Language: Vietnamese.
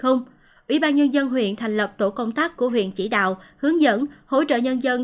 ủy ban nhân dân huyện thành lập tổ công tác của huyện chỉ đạo hướng dẫn hỗ trợ nhân dân